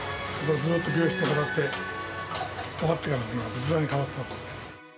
ずっと病室に飾って、終わってからも、仏壇に飾ってます。